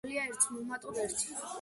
რისი ტოლია ერთს მივუმატოთ ერთი.